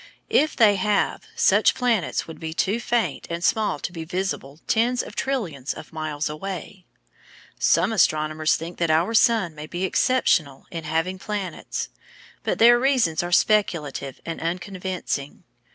If they have, such planets would be too faint and small to be visible tens of trillions of miles away. Some astronomers think that our sun may be exceptional in having planets, but their reasons are speculative and unconvincing.